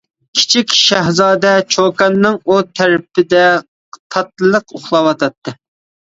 كىچىك شاھزادە چوكاننىڭ ئۇ تەرىپىدە تاتلىق ئۇخلاۋاتاتتى.